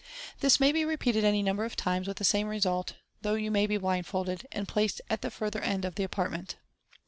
This may be repeated any number of time« with the same result, though you may be blindfolded, and placed at the further end of the apartment.